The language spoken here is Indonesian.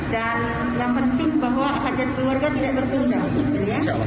dan yang penting bahwa hajat keluarga tidak berkejagaan